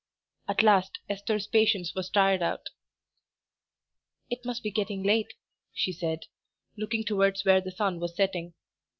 At last Esther's patience was tired out. "It must be getting late," she said, looking towards where the sun was setting.